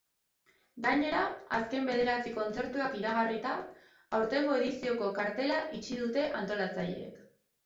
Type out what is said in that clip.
Gainera, azken bederatzi kontzertuak iragarrita, aurtengo edizioko kartela itxi dute antolatzaileek.